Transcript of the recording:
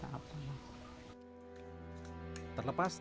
terlepas tuhan juga menjelaskan kekuatan